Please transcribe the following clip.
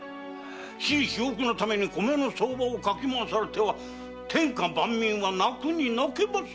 私利私欲のために米の相場を掻き回されては天下万民は泣くに泣けませぬ。